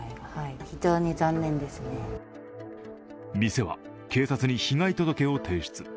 店は警察に被害届を提出。